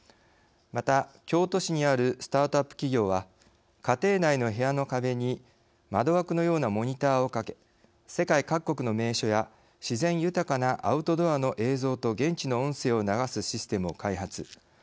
また、京都市にあるスタートアップ企業は家庭内の部屋の壁に窓枠のようなモニターを掛け世界各国の名所や自然豊かなアウトドアの映像と現地の音声を流すシステムを開発。